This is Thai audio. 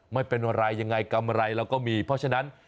ไม่เป็นไรยังไงกำไรเราก็มีเพราะฉะนั้น